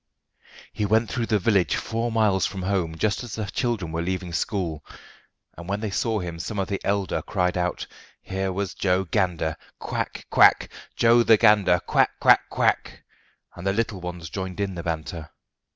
He went through the village four miles from home just as the children were leaving school, and when they saw him some of the elder cried out that here was "Gander Joe! quack! quack! Joe the Gander! quack! quack! quack!" and the little ones joined in the banter.